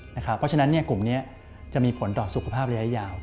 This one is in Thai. เพราะฉะนั้นกลุ่มนี้จะมีผลต่อสุขภาพระยะยาว